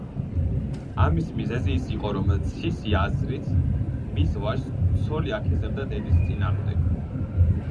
ამის მიზეზი ის იყო, რომ ცისი აზრით მის ვაჟს ცოლი აქეზებდა დედის წინააღმდეგ.